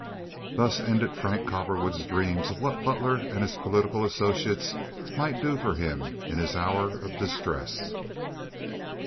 Thus ended Frank Cowperwood's dreams of what Butler and his political associates might do for him in his hour of distress.